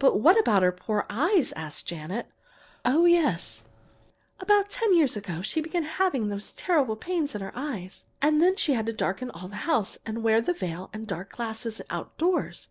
"But what about her poor eyes?" asked Janet. "Oh, yes! About ten years ago she began to have those terrible pains in her eyes, and then she had to darken all the house and wear the veil and dark glasses outdoors.